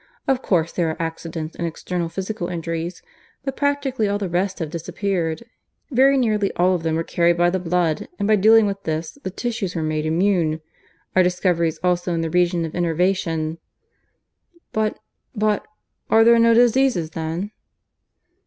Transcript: "Of course there are accidents and external physical injuries; but practically all the rest have disappeared. Very nearly all of them were carried by the blood, and, by dealing with this, the tissues are made immune. Our discoveries also in the region of innervation " "But ... but ... are there no diseases then?"